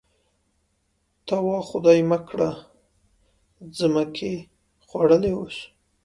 ته وا خدای مه کړه مځکې خوړلي اوسي.